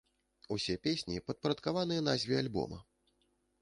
Усе песні падпарадкаваныя назве альбома.